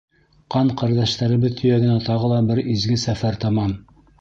Ҡан-ҡәрҙәштәребеҙ төйәгенә тағы ла бер изге сәфәр тамам.